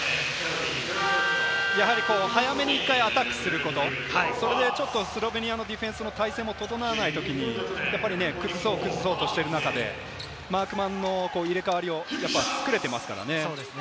早めに１回アタックすること、それでスロベニアのディフェンスの態勢が整わないときに崩そうとしている中で、マークマンの入れ替わりを作れていますからね。